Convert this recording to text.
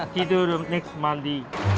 tidur next mandi